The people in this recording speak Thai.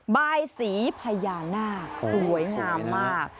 บายสีพญานาคสวยงามมาก